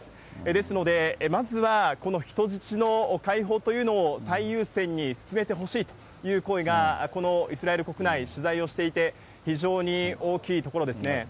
ですので、まずはこの人質の解放というのを最優先に進めてほしいという声がこのイスラエル国内、取材をしていて非常に大きいところですね。